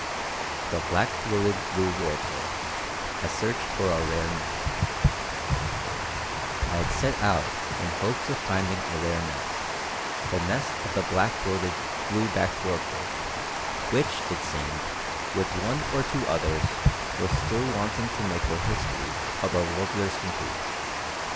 THE BLACK THROATED BLUE WARBLER A SEARCH FOR A RARE NEST I had set out in hopes of finding a rare nest, the nest of the black throated blue backed warbler, which, it seemed, with one or two others, was still wanting to make the history of our warblers complete.